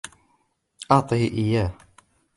أعطه إياه.